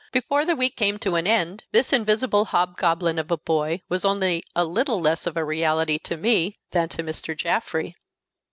before the week came to an end, this invisible hobgoblin of a boy was only little less of a reality to me than to Mr. Jaffrey.